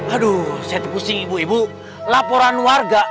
aduh saya pusing ibu ibu laporan warga